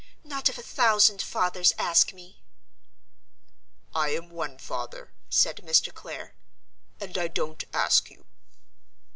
not if a thousand fathers ask me!" "I am one father," said Mr. Clare. "And I don't ask you."